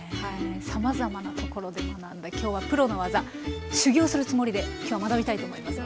さまざまなところで学んだ今日はプロの技修業するつもりで今日は学びたいと思います。